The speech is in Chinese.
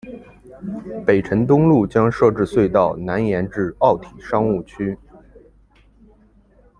北辰东路将设置隧道南延至奥体商务区。